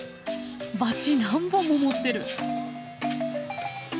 バチ何本も持ってる。